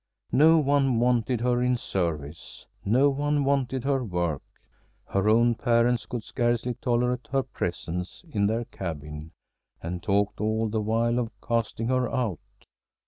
No one wanted her in service no one wanted her work. Her own parents could scarcely tolerate her presence in their cabin and talked all the while of casting her out.